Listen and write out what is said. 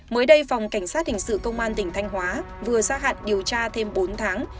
mới đây phòng cảnh sát hình sự công an tỉnh thanh hóa vừa ra hạn điều tra thêm bốn tháng